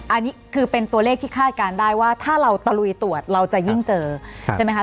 อันนี้คือเป็นตัวเลขที่คาดการณ์ได้ว่าถ้าเราตะลุยตรวจเราจะยิ่งเจอใช่ไหมคะ